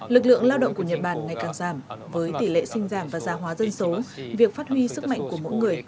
lực lượng lao động của nhật bản ngày càng giảm với tỷ lệ sinh giảm và gia hóa dân số việc phát huy sức mạnh của mỗi người